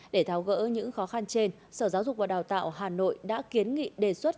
để tháo gỡ những khó khăn trên sở giáo dục và đào tạo hà nội đã kiến nghị đề xuất